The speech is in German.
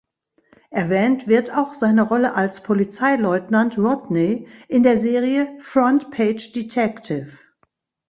Erwähnt wird auch seine Rolle als Polizeileutnant Rodney in der Serie "Front Page Detective".